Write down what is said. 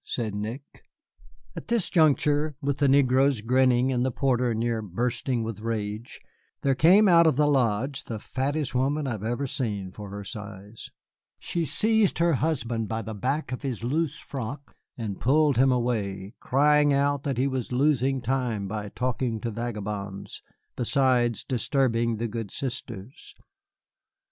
said Nick. At this juncture, with the negroes grinning and the porter near bursting with rage, there came out of the lodge the fattest woman I have ever seen for her size. She seized her husband by the back of his loose frock and pulled him away, crying out that he was losing time by talking to vagabonds, besides disturbing the good sisters.